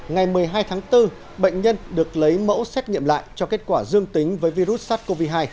ngày một mươi hai tháng bốn bệnh nhân được lấy mẫu xét nghiệm lại cho kết quả dương tính với virus sars cov hai